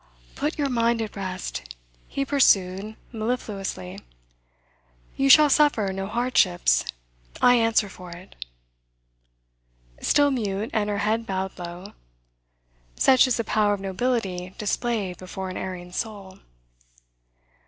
'Put your mind at rest,' he pursued mellifluously. 'You shall suffer no hardships. I answer for it.' Still mute, and her head bowed low. Such is the power of nobility displayed before an erring soul!